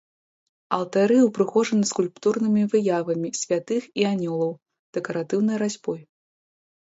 Алтары ўпрыгожаны скульптурнымі выявамі святых і анёлаў, дэкаратыўнай разьбой.